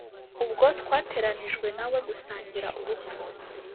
Ubwo twateranijwe na we gusangira urupfu